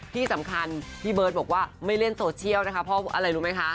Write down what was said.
ที่สำคัญพี่เบิร์ตบอกว่าไม่เล่นโซเชียลนะคะเพราะอะไรรู้ไหมคะ